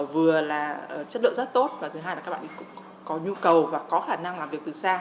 vừa là chất lượng rất tốt và thứ hai là các bạn ấy cũng có nhu cầu và có khả năng làm việc từ xa